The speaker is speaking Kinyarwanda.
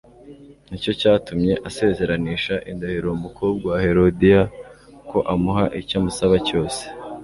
Nicyo cyatumye asezeranisha indahiro uwo mukobwa wa Herodiya ko amuha icyo amusaba cyose